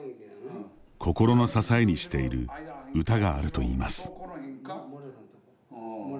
心の支えにしている歌があるといいます。